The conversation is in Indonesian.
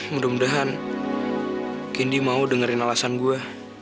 mudah mudahan kendi mau dengerin alasan gue